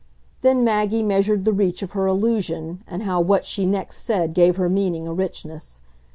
Then Maggie measured the reach of her allusion, and how what she next said gave her meaning a richness.